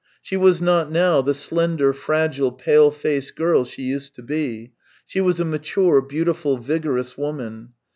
She was not now the slender, fragile, pale faced girl she used to be; she was a mature, beautiful, vigorous woman.